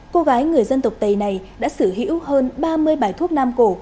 cô gái người dân tộc tày này đã sử hữu hơn ba mươi bài thuốc nam cổ